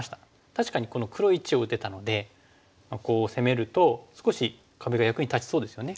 確かにこの黒①を打てたのでこう攻めると少し壁が役に立ちそうですよね。